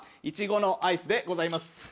イチゴのアイスでございます。